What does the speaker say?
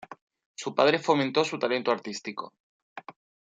Su padre fomentó su talento artístico.